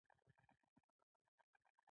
ښایست له نرمې ژبې نه هم زېږي